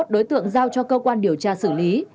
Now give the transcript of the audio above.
ba mươi một đối tượng giao cho cơ quan điều tra xử lý